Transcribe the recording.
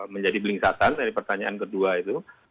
menjadi belingkatan dari pertanyaan kedua itu